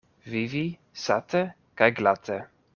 Vivi sate kaj glate.